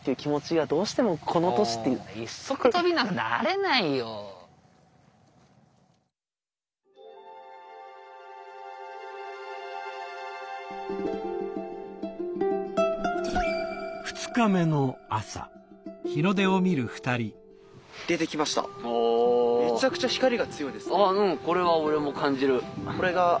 あうんこれは俺も感じる。